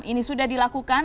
ini sudah dilakukan